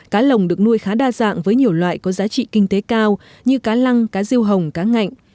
cá lồng được nuôi khá đa dạng với nhiều loại có giá trị kinh tế cao như cá lăng cá riêu hồng cá ngạnh